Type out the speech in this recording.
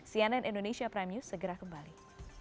cnn indonesia prime news segera kembali